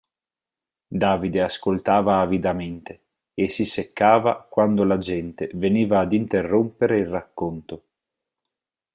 Davide ascoltava avidamente, e si seccava quando la gente veniva ad interrompere il racconto.